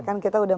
kan kita udah